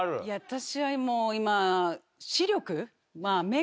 私はもう今。